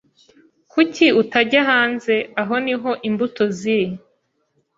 Kuki utajya hanze? Aho niho imbuto ziri.